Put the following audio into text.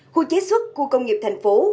khu chế xuất của công nghiệp thành phố